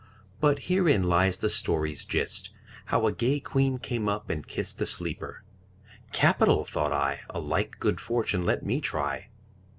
But herein lies the story's gist, How a gay queen came up and kist The sleeper. 'Capital!' thought I. 'A like good fortune let me try.'